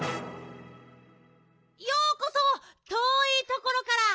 「ようこそとおいところから。